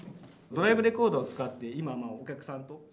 ドライブレコーダーを使って今お客さんと。